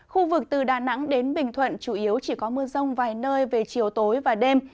khu vực từ đà nẵng đến bình thuận chủ yếu chỉ có mưa rông vài nơi về chiều tối và đêm